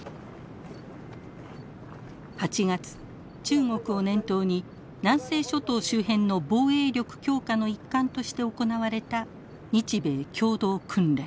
８月中国を念頭に南西諸島周辺の防衛力強化の一環として行われた日米共同訓練。